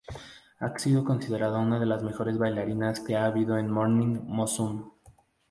Ha sido considerada una de las mejores bailarinas que ha habido en Morning Musume.